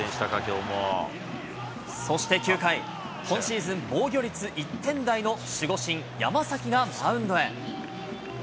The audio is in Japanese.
そして９回、今シーズン防御率１点台の守護神、山崎がマウンドへ。